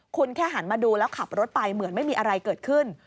คุณแค่หันมาดูแล้วขับรถไปเหมือนไม่มีอะไรเกิดขึ้น